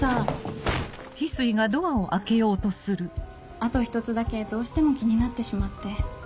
あと一つだけどうしても気になってしまって。